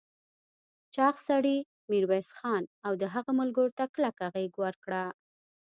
چاغ سړي ميرويس خان او د هغه ملګرو ته کلکه غېږ ورکړه.